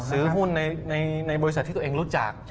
ซื้อหุ้นในบริษัทที่ตัวเองรู้จัก